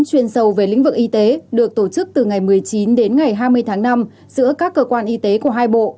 chuyên sâu về lĩnh vực y tế được tổ chức từ ngày một mươi chín đến ngày hai mươi tháng năm giữa các cơ quan y tế của hai bộ